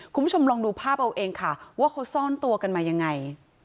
คุณผู้ชมลองดูภาพเอาเองค่ะว่าเขาซ่อนตัวกันมายังไง